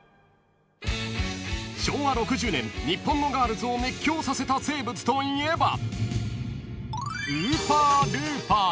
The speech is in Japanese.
［昭和６０年日本のガールズを熱狂させた生物といえば］